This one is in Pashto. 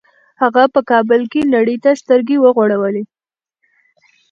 هغه په کابل کې نړۍ ته سترګې وغړولې